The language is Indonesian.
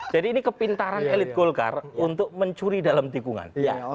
jadi ini kepintaran elit golkar untuk mencuri dalam tikungan